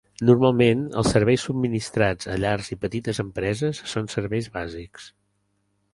Normalment, els serveis subministrats a llars i petites empreses són serveis bàsics.